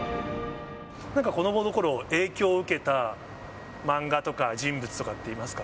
なんか子どものころ、影響を受けた漫画とか人物とかっていますか？